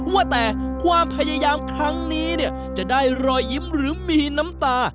ว่าแต่ความพยายามครั้งนี้เนี่ยจะได้รอยยิ้มหรือมีน้ำตา